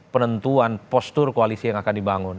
penentuan postur koalisi yang akan dibangun